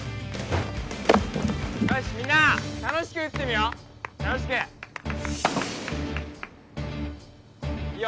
よしみんな楽しく打ってみよう楽しくいいよ